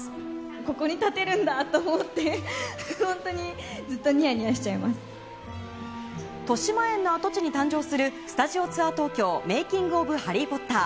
ここに立てるんだと思って、本当にずっとにやにやしちゃいます。としまえんの跡地に誕生する、スタジオツアー東京メイキング・オブ・ハリー・ポッター。